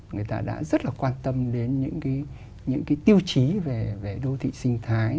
người ta đã rất là quan tâm đến những tiêu chí về đô thị sinh thái